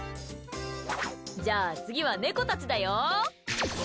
じゃあ、次は猫たちだよ！